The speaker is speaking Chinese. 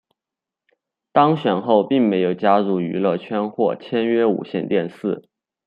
当选后并没有加入娱乐圈或签约无线电视。